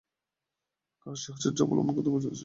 কার সাহচর্য অবলম্বন করতে উপদেশ দিচ্ছেন?